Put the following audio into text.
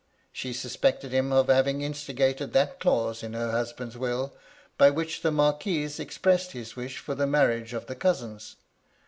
She suspected him of having instigated that clause in her husband's will, by which the Marquis expressed his wish for the marriage of the cousins.